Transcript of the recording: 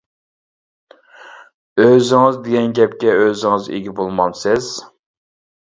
-ئۆزىڭىز دېگەن گەپكە ئۆزىڭىز ئىگە بولمامسىز!